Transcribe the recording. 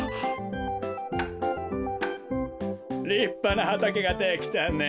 りっぱなはたけができたね。